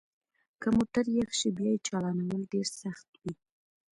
که موټر یخ شي بیا یې چالانول ډیر سخت وي